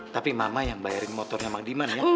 tapi mama yang bayarin motornya sama dima